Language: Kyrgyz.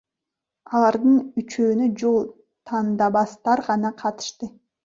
Алардын үчөөнө жол тандабастар гана катышты.